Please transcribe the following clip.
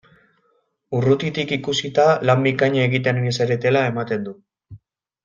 Urrutitik ikusita, lan bikaina egiten ari zaretela ematen du!